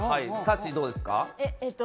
さっしー、どうですか？